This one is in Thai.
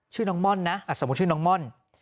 ชื่อน้องม่อนนะสมมุติชื่อน้องม่อน